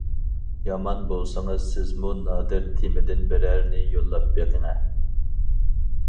يامان بولسىڭىز سىزمۇ نادىر تېمىدىن بىرەرنى يوللاپ بېقىڭە!